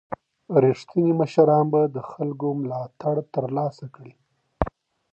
رښتیني مشران به د خلګو ملاتړ ترلاسه کړي.